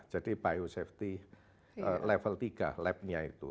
jadi biosafety level tiga labnya itu